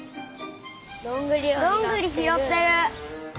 どんぐりひろってる。